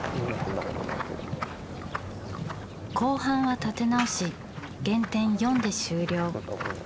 後半は立て直し減点４で終了。